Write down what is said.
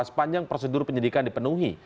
sepanjang prosedur penyidikan dipenuhi